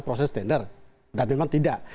proses tender dan memang tidak